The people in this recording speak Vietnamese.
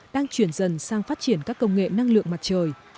đang chuyển dần sang phát triển các công nghệ năng lượng mặt trời